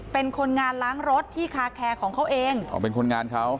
เป็นคนงานล้างรถที่คาแคร์ของเขาเองอ๋อเป็นคนงานเขา